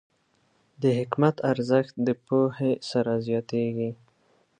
د حکمت ارزښت د پوهې سره زیاتېږي.